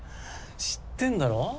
知ってんだろ？